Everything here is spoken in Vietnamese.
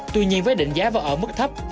tuy nhiên với định giá vào ở mức thấp